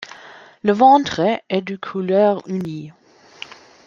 Le ventre est de couleur unie.